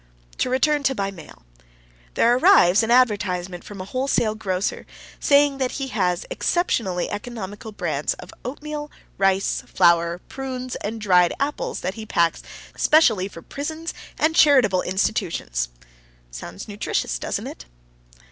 To return to my mail: There arrives an advertisement from a wholesale grocer, saying that he has exceptionally economical brands of oatmeal, rice, flour, prunes, and dried apples that he packs specially for prisons and charitable institutions. Sounds nutritious, doesn't it?